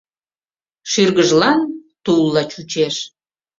Шӱргыжлан тулла чучеш.